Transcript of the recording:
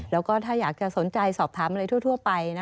แล้วก็ถ้าอยากจะสนใจสอบถามอะไรทั่วไป